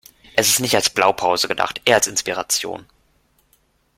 Es ist nicht als Blaupause gedacht, eher als Inspiration.